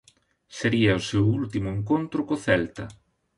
Sería o seu último encontro co Celta.